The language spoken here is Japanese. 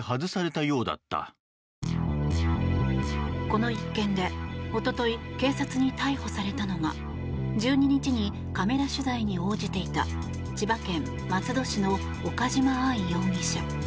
この１件でおととい警察に逮捕されたのが１２日にカメラ取材に応じていた千葉県松戸市の岡島愛容疑者。